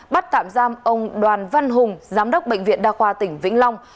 bắt tạm giam ông đoàn văn hùng giám đốc bệnh viện đa khoa tỉnh vĩnh long